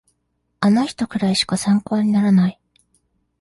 あの人くらいしか参考にならない